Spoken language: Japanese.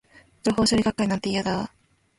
情報処理学会なんて、嫌だー